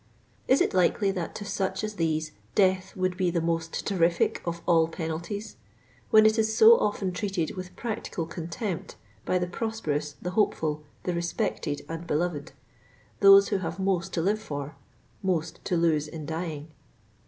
Is it likely that to such as these *' death would be the most terrific of all penalties," when it is so often treated with practical contempt by the prosperous, the hopeful, the respected and beloved, those who have most to live for, most to lose in dying?